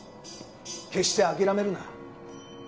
決して諦めるな。